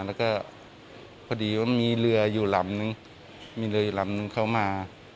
แล้วก็พอดีว่ามีเรืออยู่ลำนึงมีเรืออีกลำนึงเข้ามา